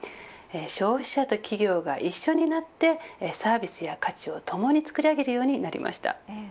消費者と企業が一緒になってサービスや価値をともにつくり上げるようになりました。